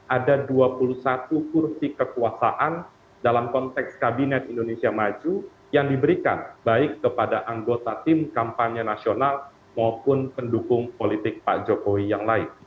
ada dua puluh satu kursi kekuasaan dalam konteks kabinet indonesia maju yang diberikan baik kepada anggota tim kampanye nasional maupun pendukung politik pak jokowi yang lain